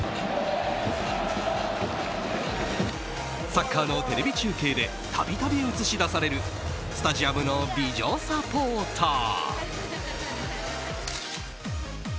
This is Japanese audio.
サッカーのテレビ中継で度々、映し出されるスタジアムの美女サポーター。